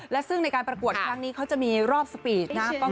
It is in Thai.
และซึ่งในการประกวดครั้งนี้เขาจะมีรอบสปีดนะครับ